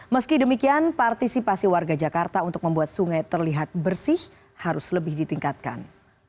meski demikian partisipasi warga jakarta untuk membuat sungai terlihat bersih harus lebih ditingkatkan